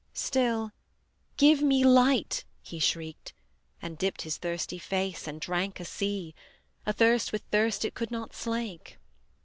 Still "Give me light," he shrieked; and dipped His thirsty face, and drank a sea, Athirst with thirst it could not slake.